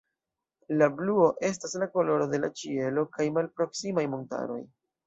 La bluo estas la koloro de la ĉielo kaj malproksimaj montaroj.